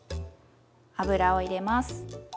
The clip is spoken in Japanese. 油を入れます。